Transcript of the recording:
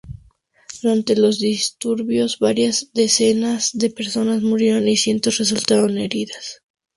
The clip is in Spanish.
Durante los disturbios, varias decenas de personas murieron y cientos resultaron heridas.